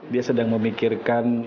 dia sedang memikirkan